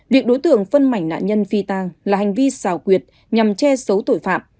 việc đối tượng phân mảnh nạn nhân phi tang là hành vi xào quyệt nhằm che giấu tội phạm